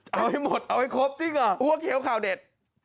เอาให้หมดเอาให้ครบจริงเหรอหัวเขียวข่าวเด็ด